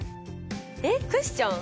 えっクッション？